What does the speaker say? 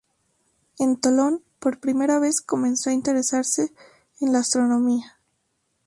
En Tolón, por primera vez, comenzó a interesarse en la astronomía.